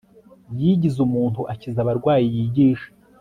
yigize umuntu akiza abarwayi, yigisha